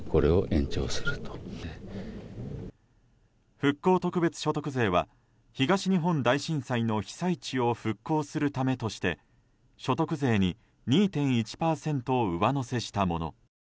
復興特別所得税は東日本大震災の被災地を復興するためとして、所得税に２．１％上乗せしたもの。